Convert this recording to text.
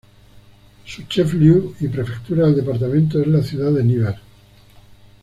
Su "chef-lieu", y prefectura del departamento, es la ciudad de Nevers.